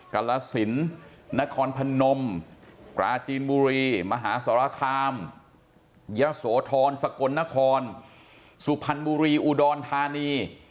กรสินนครพนมปราจีนบุรีมหาสรคามยะโสธรสกลนครสุพรรณบุรีอุดรธานี